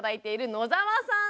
あ野澤さん